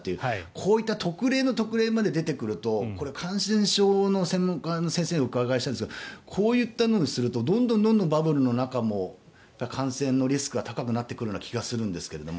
こういった特例の特例まで出てくると感染症の専門家の先生にお伺いしたいんですがこういったのにするとどんどんバブルの中も感染のリスクが高くなってくるような気がするんですけども。